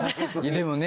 でもね